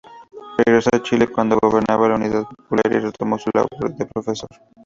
Regresó a Chile cuando gobernaba la Unidad Popular y retomó su labor de profesor.